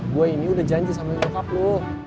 gue ini udah janji sama nyokap lo